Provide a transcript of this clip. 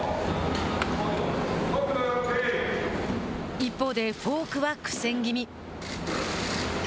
一方でフォークは苦戦気味。